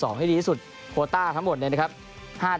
ทีมอันดับ๒ที่ดีที่สุดโพต้าอันดับทั้งหมด